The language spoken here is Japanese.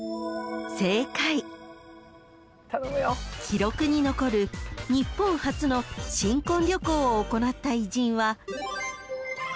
［記録に残る日本初の新婚旅行を行った偉人は］